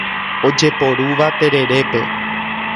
Ojeporúva tererépe.